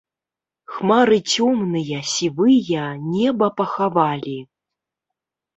Хмары цёмныя, сівыя неба пахавалі.